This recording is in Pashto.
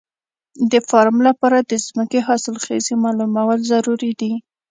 د فارم لپاره د ځمکې حاصلخېزي معلومول ضروري دي.